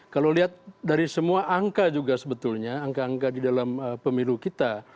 kalau lihat dari semua angka juga sebetulnya angka angka di dalam pemilu kita